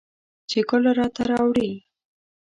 چې ګل راته راوړي